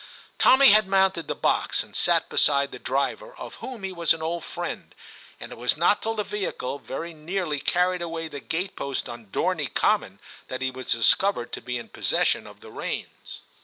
Tommy had mounted the box, and sat beside the driver, of whom he was an old friend, and it was not till the vehicle very nearly carried away the gate post on Dorney Common that he was discovered to be in possession of the reins.